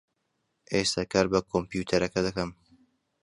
ئێستا کار بە کۆمپیوتەرەکە دەکەم.